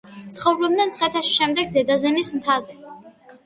ცხოვრობდნენ მცხეთაში, შემდეგ ზედაზნის მთაზე.